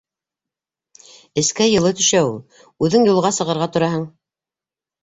Эскә йылы төшә ул. Үҙең юлға сығырға тораһың.